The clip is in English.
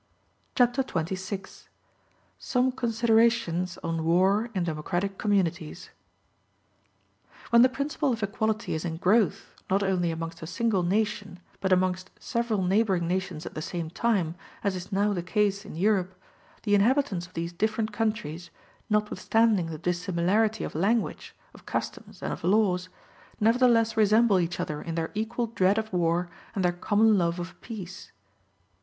Chapter XXVI: Some Considerations On War In Democratic Communities When the principle of equality is in growth, not only amongst a single nation, but amongst several neighboring nations at the same time, as is now the case in Europe, the inhabitants of these different countries, notwithstanding the dissimilarity of language, of customs, and of laws, nevertheless resemble each other in their equal dread of war and their common love of peace.